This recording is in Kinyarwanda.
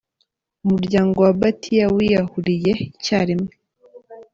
Umuryango wa Bhatia wiyahuriye icya rimwe.